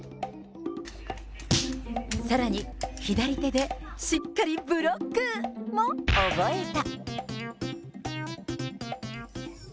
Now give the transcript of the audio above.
さらに左手でしっかりブロックも覚えた。